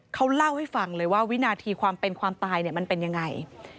เขาเล่าให้ฟังเลยว่าวินาทีความเป็นความตายมันเป็นยังไง